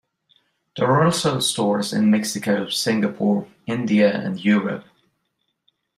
There are also stores in Mexico, Singapore, India and Europe.